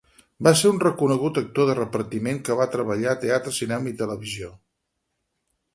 Va ser un reconegut actor de repartiment que va treballar en teatre, cinema i televisió.